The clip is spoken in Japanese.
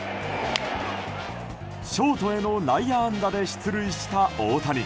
ショートへの内野安打で出塁した大谷。